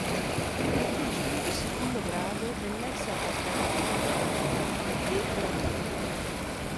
È cugino di secondo grado dell'ex attaccante ivoriano Didier Drogba.